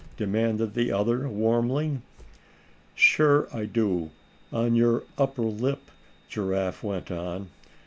demanded the other, warmly. "Sure I do on your upper lip," Giraffe went on.